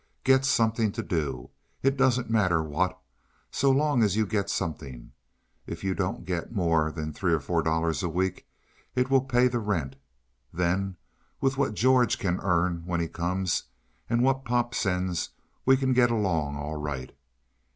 "Get something to do. It doesn't matter what, so long as you get something. If you don't get more than three or four dollars a week, it will pay the rent. Then, with what George can earn, when he comes, and what Pop sends, we can get along all right.